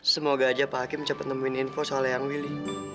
semoga aja pak hakim cepet nemuin info soal yang willy